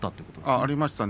ありましたね